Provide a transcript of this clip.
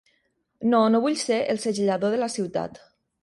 No, no vull ser el segellador de la ciutat.